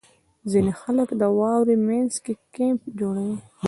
• ځینې خلک د واورې مینځ کې کیمپ جوړوي.